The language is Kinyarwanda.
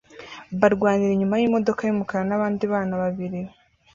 barwanira inyuma yimodoka yumukara nabandi bana babiri